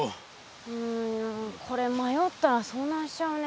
うんこれまよったらそうなんしちゃうね。